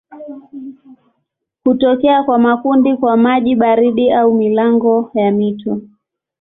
Hutokea kwa makundi kwa maji baridi au milango ya mito.